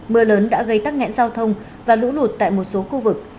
mưa lớn đã gây tắc nghẽn giao thông và lũ lụt tại một số khu vực